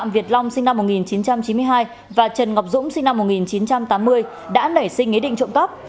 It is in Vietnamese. việt long sinh năm một nghìn chín trăm chín mươi hai và trần ngọc dũng sinh năm một nghìn chín trăm tám mươi đã nảy sinh ý định trộm cắp